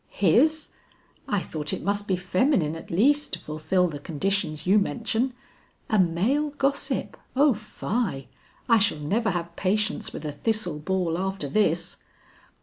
"His! I thought it must be feminine at least to fulfill the conditions you mention. A male gossip, O fie! I shall never have patience with a thistle ball after this."